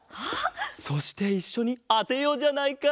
そしていっしょにあてようじゃないか。